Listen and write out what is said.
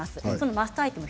マストアイテム